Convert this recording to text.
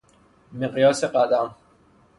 مقیاس قدم